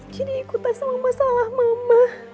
jadi ikutan sama masalah mama